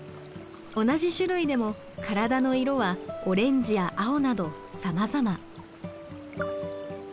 同じ種類でも体の色はオレンジや青などさまざま。